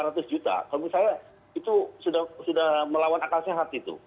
kalau menurut saya itu sudah melawan akal sehat gitu